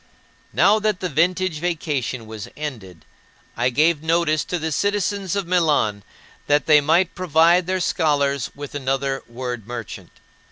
Now that the vintage vacation was ended, I gave notice to the citizens of Milan that they might provide their scholars with another word merchant.